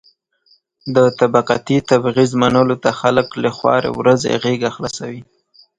د طبقاتي تبعيض منلو ته خلک له خوارې ورځې غېږه خلاصوي.